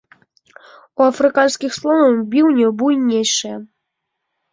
У афрыканскіх сланоў біўні буйнейшыя.